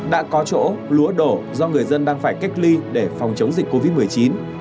đã có chỗ lúa đổ do người dân đang phải cách ly để phòng chống dịch covid một mươi chín